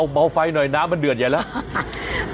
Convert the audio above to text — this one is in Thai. เบาไฟหน่อยน้ำมันเดือดใหญ่แล้ว